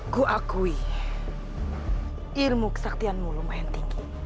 kuakui ilmu kesaktianmu lumayan tinggi